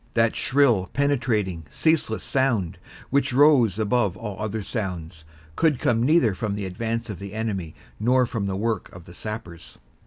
That shrill, penetrating, ceaseless sound, which rose above all other sounds, could come neither from the advance of the enemy nor from the work of the sappers.